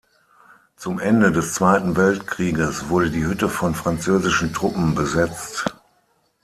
Zum Ende des Zweiten Weltkrieges wurde die Hütte von Französischen Truppen besetzt.